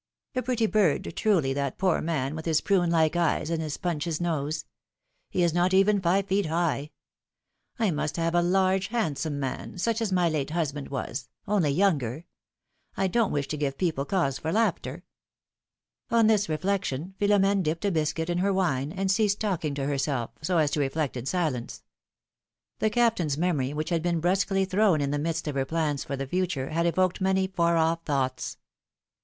A pretty bird, truly, that poor man, with his prune like eyes and his Punch's nose! He is not even five feet high ! I must have a large, handsome man, such as my late husband was, only younger, I don't wish to give people cause for laughter !" On this reflection Philom^ne dipped a biscuit in her wine, and ceased talking to herself^ so as to reflect in silence. The Captain's memory, which had been brusquely thrown in the midst of her plans for the future, had evoked many far off thoughts.